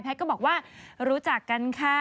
ก็บอกว่ารู้จักกันค่ะ